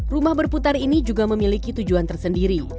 rumah berputar ini juga memiliki tujuan tersendiri